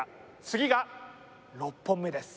次が６本目です